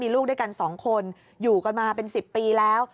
ลูกด้วยกัน๒คนอยู่กันมาเป็น๑๐ปีแล้ว